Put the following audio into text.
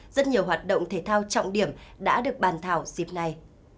rất nhiều hoạt động thể thao trọng điểm đã được bàn thảo dịp này